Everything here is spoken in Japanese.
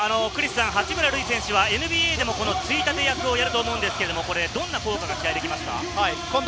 ＮＢＡでも八村選手はついたて役をやると思うんですが、どんな効果が期待できますか？